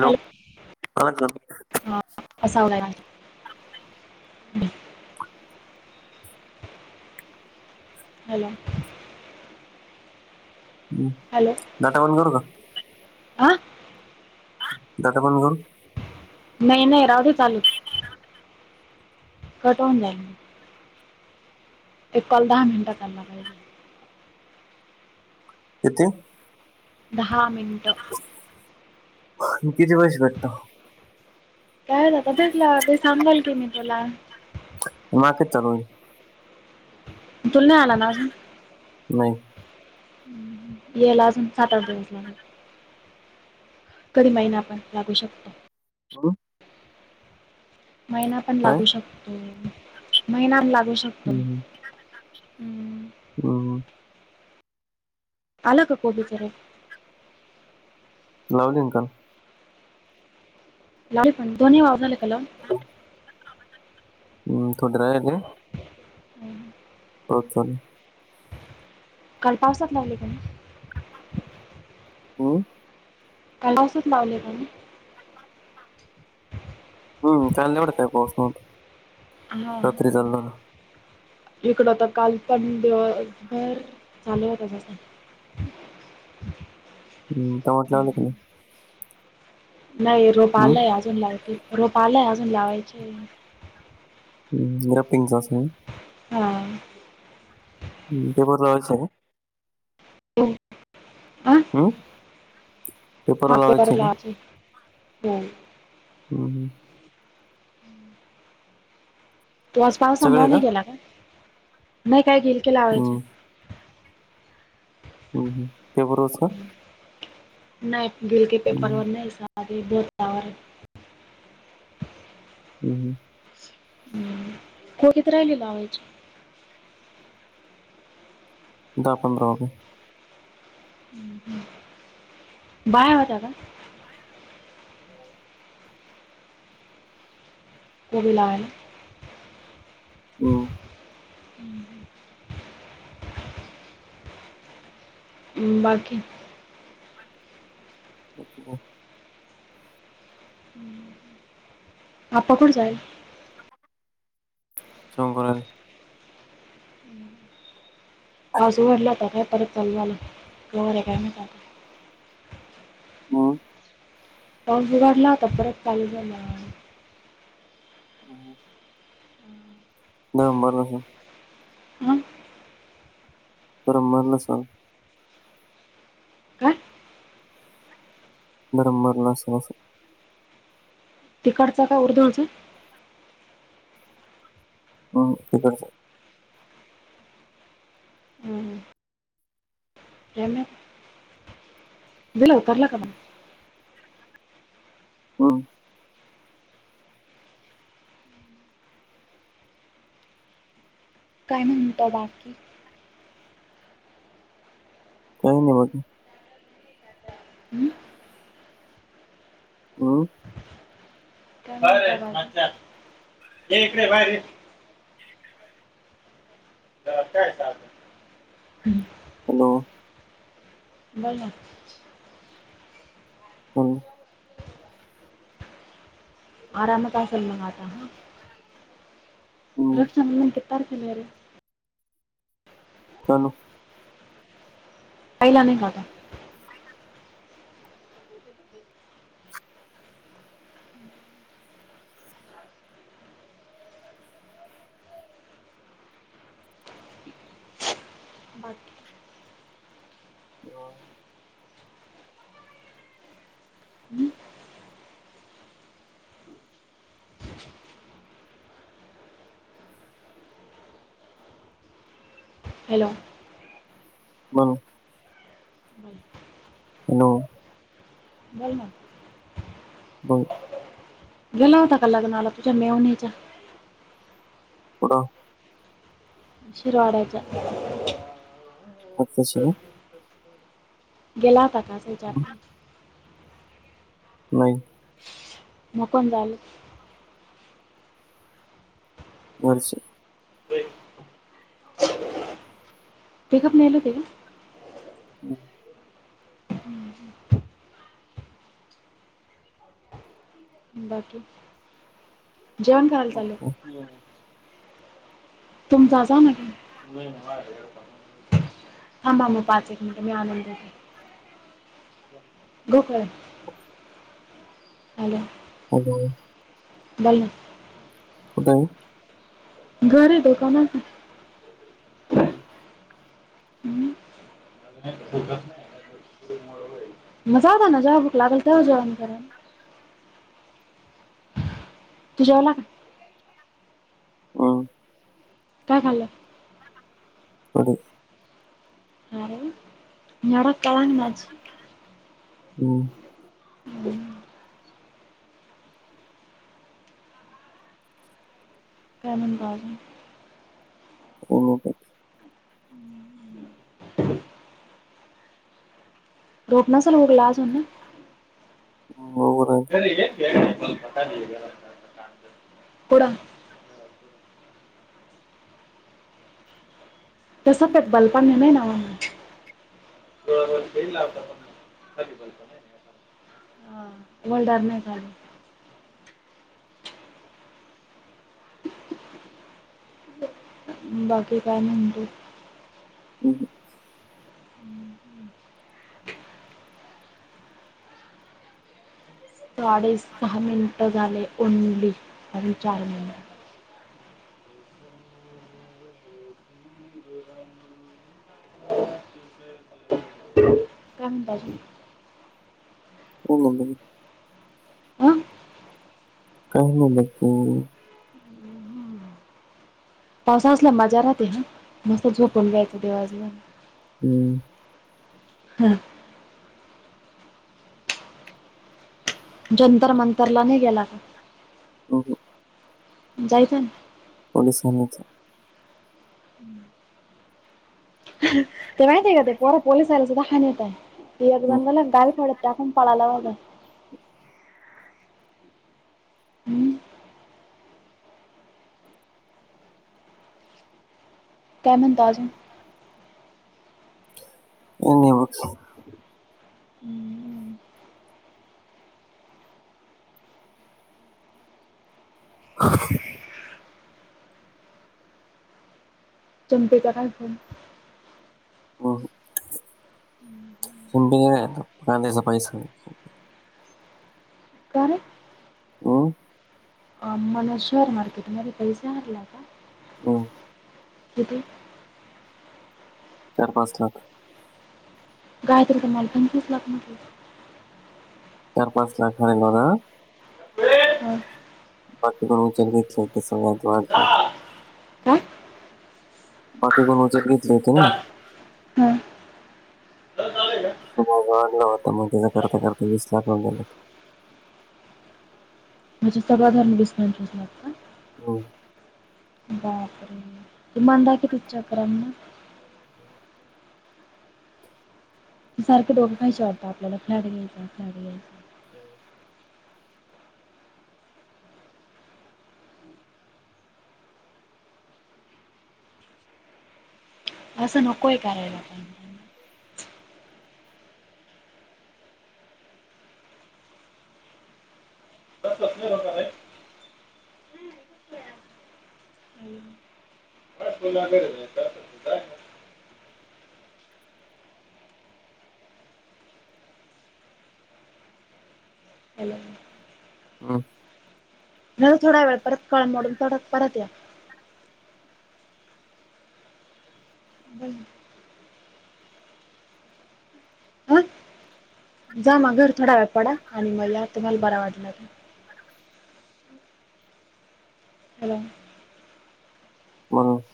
Hello आला का [inaudible] hello? हम्, डाटा बंद करू का? अ डाटा बंद करू? नाही नाही, राहुदे चालू. कट होऊन जाईल. एक कॉल दहा मिनंट करणार हाय मी. कती? दहा मिनट. कितीे दिवस करतो काय आता भेटला ते सांगाल की मी तुला [inaudible] तुला नाही ना आला अजून नाही येला अजून सात आठ दिवस लागनार कधी महिना पण लागू शकतो सोडून महिना पण काय लागू शकतो महिना लागू शकतो हम् हम्म. हम आला का कोबीज होत लावली ना काल लाव पण दोन्ही वाव झाले का लाऊन हम्म कुत्रय ते हम्म. [inaudible] काल पावसात लावलय का मग हो काल पावसात लावलेल हम् चाललय वाढतं पाऊस [inaudible] होव रात्री चालू झाला इकड तर काल पण दिवसभर झाल होता जास्त हम् तवाच लावलंय त्यांनी नाही रोप हम्म? आलय अजून लावतिल रोप आलय अजून लावायचे हम जरा पिंग चाचणी हा हम ते बरवाच आहे हो हम [inaudible] अजून हो हम तो आज पाव सगळे आहे संभावर का नाही गेला काय, नाही काय गेल की लावायच हम्म, हम हम ते रोज का नाही गिल के पेपर हम्म, वर नाही साधे [inaudible] वर आहे हम् हम कोठेत राहिले लावायची दहा पंधरा [inaudible] हम हम बाहेर होत्या का [inaudible] लावायला हम्म हं बाकी [inaudible] आप्पा कोण जायल [inaudible] पाऊस वाढलाय आता काय परत चालू झाला काय होणार ये काय माहिती आत्ता [unintelligible] हम्म पाऊस उघडला होता परत चालू झाला. हम्म हम्म नाय मला नको [unintelligible] मग परमाणला सांग काय? बरं मग नसू असं [unintelligible] तिकडचं का उर्धवच हो तिकडंच हम्म हम्म काय माहित बीला उतारला का मग? हम्म काय म्हणताय बाकी? काय नाय बाकी हम्म हम्म काय रे हर्ष्या ये इकडे बाहेर ये हर्षा आहे का? हॅलो बघ ना हम्म आरामचं असलं मग आता? हम्म, रक्षाबंधन किती तारखेला आहे रे? तनु पाहिला नाही का अजून? बाकी हॅलो हम्म? हॅलो मग हम्म [unintelligible] हॅलो बोलना बऊ गेला होता कर लग्नाला तुझ्या मेव्हण्याच्या? कुठं? शिरवाडाच्या तिकडं कोणत्या सुमो गेला होतात असं हम्म, विचारते नाही मग कोण जायला? घरचे पेकअप नेहले होते का? हम्म हम्म बाकी, जेवण खाल मग चाल. काय? तुम जा-जा म्हणान. थांबा मग पाच, एक मिनिट मी आणून देते गोकळ. हॅलो. हॅलो. बला. हॅलो. घरी दोकानात हाय. हम्. हो. ते मळू होहेल [unintelligible] मजा ना जेव्हा भूक लागल तेव जेवन करन. जेवला का. ह. काय खाल. काय खाल्लं, हो. हर ण्याडा काळां माझी. होम्. हम. काय म्हणतो आ. हो. हम्म, उभं राहिलं. [unintelligible] [unintelligible] तस ते बल पण आहे नावानं. बर [unintelligible] हा मंडळात नाही झाचाल. बाकी काय म्हणतो. हम. साडे सहा मिनिट झाले, ओनली आणि चार मिनट. कंबाजी. हो. आ. काय म्हणत ओ. पावसाळा असल्यावर मजा राहते हं मस्त हम्म, झोपून राहायचं दिवसभर. हम्म. हा. जंतर मंतरला नाई गेला का? हो-हो जायचंय ना पोलिसांनाच हम्म ह ते माहहितय का ते पोरा पोलीस आयला सुद्धा खाान येत आहे एक हम्म, जणला गाल पडत टाकून पळालाज हम्म, काय म्हणता अजून? [unintelligible] हम्म, ह.. [inaudible] तुमच्या इथं काय पण - हं, हं. [unintelligible] कांद्याचा पैसा - का, रे- अं. अ मन शेअर मार्केट मध्ये पैसे हारला का? अ. [inaudible] चार, पाच लाख. गायत्री तुम्हाला पंचवीस लाख म्हटली. चार, पाच लाख आहे बघा. हं. बाकी द विचार घेतले सगळ आत वाात [unintelligible] काय बाकी कोणाच घेतल होती नाही. हां होता मग त्याचा करता, करता वीस लाख [unintelligible] म्हणजे सगळं धरून वीस, पंचवीस लाख का? हं. बापरे!.. त म्हांदाकी तचक्रना. [inaudible] सारखे दोघेपण वाटत [unintelligible] आपल्याला प्लँट घ्यायचा, फ्लॅट घ्यायचा. [inaudible] असं नकोय करायला पण. [inaudible] [unintelligible] फोन लाग नाही. [unintelligible] [inaudible] [inaudible] मला थोडा वेळ परत कळमडून [unintelligible] थोडा परत या. [inaudible] हा जा म घर थोडा वेळ पडा आणि मग या तुम्हाला बरा वाटला तर. हॅलो [unintelligible]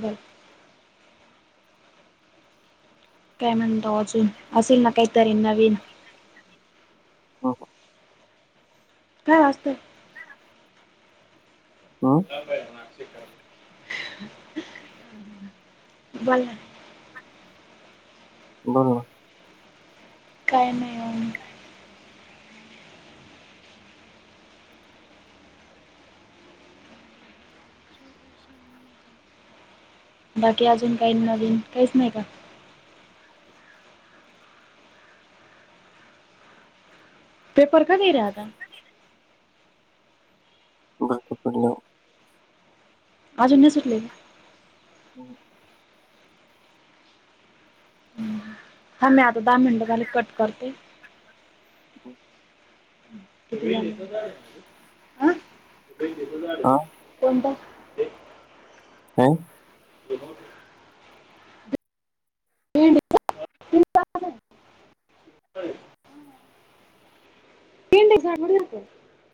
बर काय म्हणतो अजून, असेल ना काहीतरी नवीन? [unintelligible] काय असतंय. अ. [inaudible] बोला. बोल ना. काय नाही निवां- बाकी अजून काही नवीन, काहीच नाही का? [inaudible] पेपर कधी राहता? [unintelligible] [unintelligible] अजूनही सुटल का? ह थांब मी आता दहा मिनिटे झाली की कट करते. हो. झा हा कोणता. हो. [unintelligible] तीन दिवस- तीन तास आहे. तीन [unintelligible] होत्या.